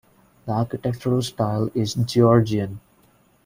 The architectural style is Georgian.